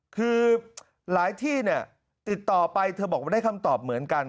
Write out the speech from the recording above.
คือหลายที่เนี่ยติดต่อไปเธอบอกว่าได้คำตอบเหมือนกัน